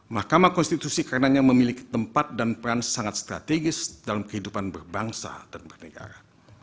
mahkamah konstitusi karenanya memiliki tempat dan peran sangat strategis dalam kehidupan berbangsa dan bernegara